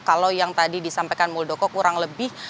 kalau yang tadi disampaikan muldoko kurang lebih